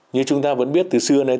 như chúng ta vẫn biết từ xưa này